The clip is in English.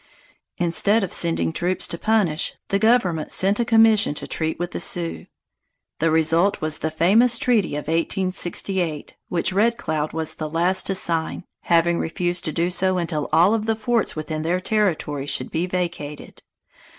Instead of sending troops to punish, the government sent a commission to treat with the Sioux. The result was the famous treaty of 1868, which Red Cloud was the last to sign, having refused to do so until all of the forts within their territory should be vacated.